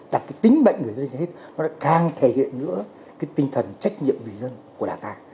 đặt cái tính bệnh người dân cho hết nó đã càng thể hiện nữa cái tinh thần trách nhiệm người dân của đảng ta